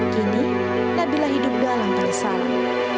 kini nabila hidup dalam penyesalan